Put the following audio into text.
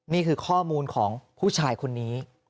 นี่คือข้อมูลของผู้ชายคนนี้